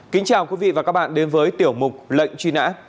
kính chào quý vị và các bạn đến với tiểu mục lệnh truy nã